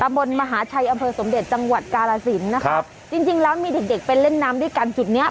บนมหาชัยอำเภอสมเด็จจังหวัดกาลสินนะครับจริงจริงแล้วมีเด็กเด็กไปเล่นน้ำด้วยกันจุดเนี้ย